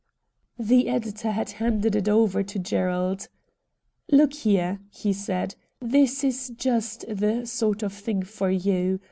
The editor had handed it over to Gerald. ' Look here,' he said, ' this is just the sort of thing for you.